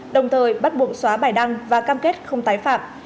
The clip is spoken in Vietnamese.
đồng thời bắt buộc xóa bài đăng và cam kết không tái phạm